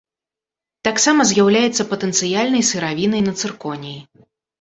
Таксама з'яўляецца патэнцыяльнай сыравінай на цырконій.